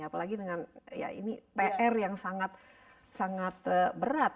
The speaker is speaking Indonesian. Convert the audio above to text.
apalagi dengan ya ini pr yang sangat berat